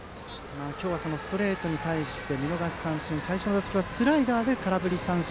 今日はストレートに対して見逃し三振最初の打席はスライダーで空振り三振。